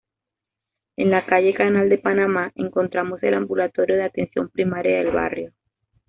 En la calle Canal de Panamá encontramos el ambulatorio de Atención Primaria del barrio.